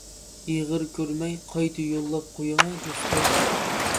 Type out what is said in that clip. ئېغىر كۆرمەي قايتا يوللاپ قويۇڭە دوستۇم.